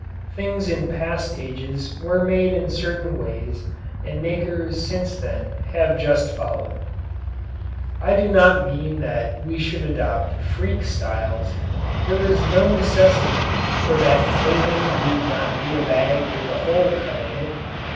Things in past ages were made in certain ways and makers since then have just followed. I do not mean that we should adopt freak styles. There is no necessity for that Clothing need not be a bag with a hole cut in it.